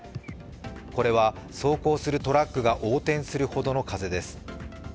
これは走行するトラックが横転するほどの風です。